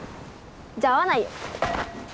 じゃあ会わないよ。